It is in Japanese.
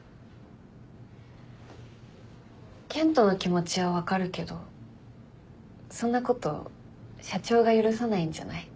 健人の気持ちは分かるけどそんなこと社長が許さないんじゃない？